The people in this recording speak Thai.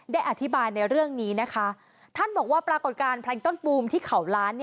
ได้อธิบายในเรื่องนี้นะคะท่านบอกว่าปรากฏการณ์เพลงต้นปูมที่เขาล้าน